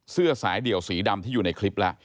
เสื้อสายเดี่ยวสีดำที่อยู่ในคลิปแล้ว